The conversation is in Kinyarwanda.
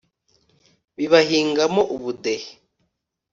bibahingamo ubudehe